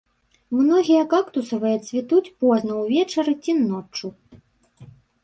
Многія кактусавыя цвітуць позна ўвечары ці ноччу.